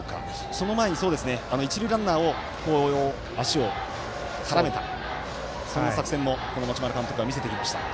その前に、一塁ランナー足を絡めた、そんな作戦も持丸監督は見せてきました。